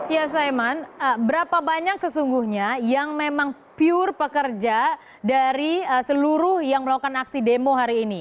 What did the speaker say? ya saiman berapa banyak sesungguhnya yang memang pure pekerja dari seluruh yang melakukan aksi demo hari ini